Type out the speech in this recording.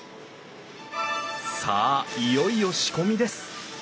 さあいよいよ仕込みです。